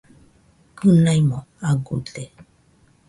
Kɨnaimo aguide